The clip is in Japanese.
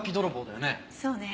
そうね。